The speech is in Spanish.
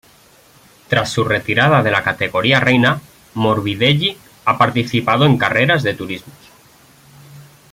Tras su retirada de la categoría reina, Morbidelli ha participado en carreras de turismos.